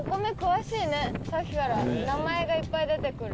さっきから名前がいっぱい出てくる。